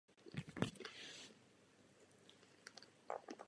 Jeho překlady jsou ale považovány za příliš volné.